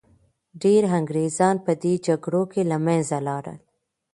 ډیر انګریزان په دې جګړو کي له منځه لاړل.